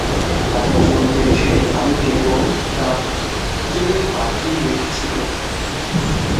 সেই কাটা চুল দেখে আমি কেবল কাঁদতে বাকি রেখেছিলুম।